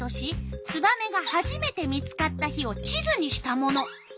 ツバメがはじめて見つかった日を地図にしたもの。